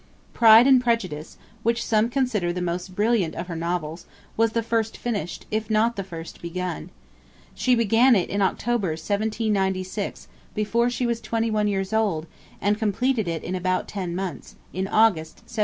'Pride and Prejudice,' which some consider the most brilliant of her novels, was the first finished, if not the first begun. She began it in October 1796, before she was twenty one years old, and completed it in about ten months, in August 1797.